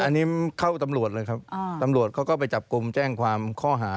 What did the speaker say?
อันนี้เข้าตำรวจเลยครับตำรวจเขาก็ไปจับกลุ่มแจ้งความข้อหา